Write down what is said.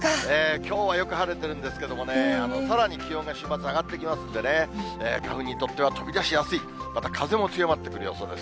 きょうはよく晴れてるんですけどもね、さらに気温が週末、上がっていきますんでね、花粉にとっては飛び出しやすい、また風も強まってくる予想です。